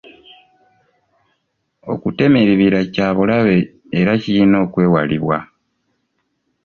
Okutema ebibira kya bulabe era kirina okwewalibwa.